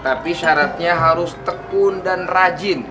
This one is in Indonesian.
tapi syaratnya harus tekun dan rajin